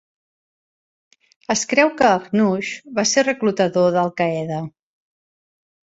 Es creu que Akhnouche va ser reclutador d'Al Qaeda.